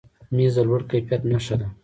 مېز د لوړ کیفیت نښه ده.